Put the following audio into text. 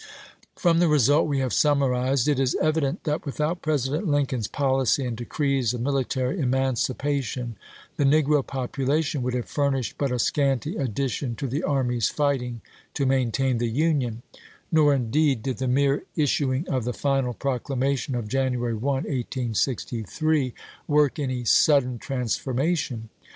From the result we have summarized it is evi dent that without President Lincoln's policy and decrees of military emancipation the negro popula tion would have furnished but a scanty addition to the armies fighting to maintain the Union; nor, indeed, did the mere issuing of the final proclama tion of January 1, 1863, work any sudden trans formation.